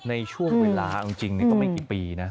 ในช่วงเวลาเอาจริงก็ไม่กี่ปีนะ